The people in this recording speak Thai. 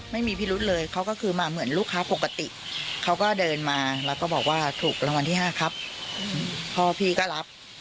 ไม่มีพิรุธเลยเขาก็คือมาเหมือนลูกค้าปกติเขาก็เดินมาแล้วก็บอกว่าถูกรางวัลที่๕ครับพ่อพี่ก็รับ